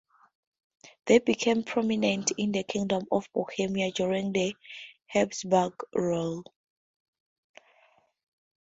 They became prominent in the Kingdom of Bohemia during the Habsburg rule.